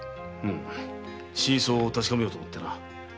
真相を確かめようと思ってな。